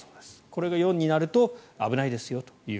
これが４になると危ないですよと。